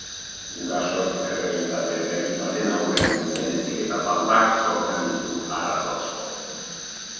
Gurasoek errealitate berri baten aurrean duten heziketa faltak sortzen ditu arazo asko.